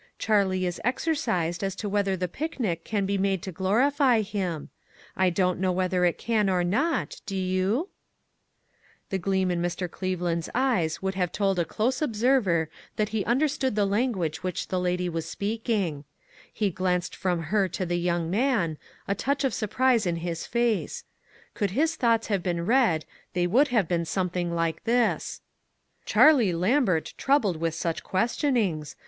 Charlie is exercised as to whether the picnic can be made to glorify Him. I don't know whether it can or not, do you?" The gleam in Mr. Cleveland's eyes would have told a close observer that he understood MISS WAINWRIGHT S "MUDDLE. 4! the language which the lady was speaking; he glanced from her to the young man, a touch of surprise in his face ; could liis thoughts have been read, they would have been something like this : "Charlie Lambert troubled with such ques tionings